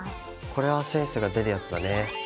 これはセンスが出るヤツだね。